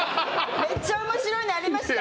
「めっちゃ面白いのありました！」